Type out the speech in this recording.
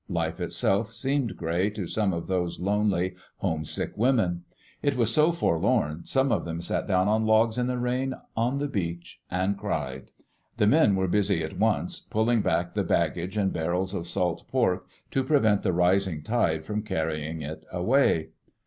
Life itself seemed gray to some of those lonely, homesick women. It was so forlorn some of them sat down on logs in the rain on the beach and cried. The men were busy at once pulling back the baggage and barrels of salt pork to prevent the rising tide from carrying it away.